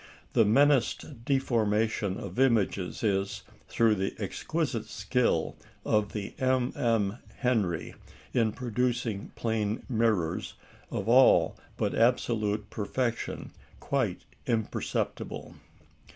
The menaced deformation of images is, through the exquisite skill of the MM. Henry in producing plane mirrors of all but absolute perfection, quite imperceptible.